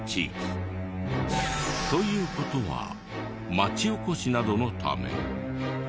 という事は町おこしなどのため？